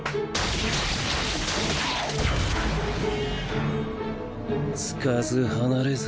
パンつかず離れず。